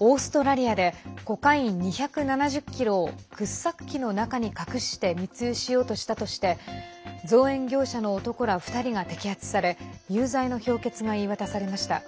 オーストラリアでコカイン２７０ｋｇを掘削機の中に隠して密輸しようとしたとして造園業者の男ら２人が摘発され有罪の評決が言い渡されました。